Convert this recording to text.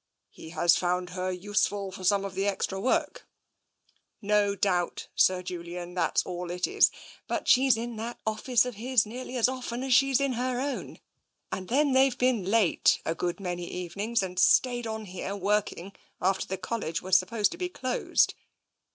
" He has found her useful for some of the extra work." " No doubt, Sir Julian. That's all it is. But she's in that office of his nearly as often as she's in her own, and then they've been late a good many evenings and stayed on here working after the College was sup posed to be closed.